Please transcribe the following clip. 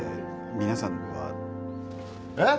皆さんは。えっ！